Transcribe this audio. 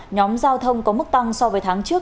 nhóm giao thông có mức tăng so với tháng trước